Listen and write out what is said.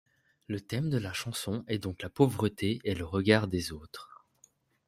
Le thème de la chansons est donc la pauvreté et le regard des autres.